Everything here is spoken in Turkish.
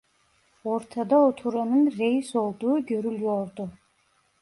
Ortada oturanın reis olduğu görülüyordu.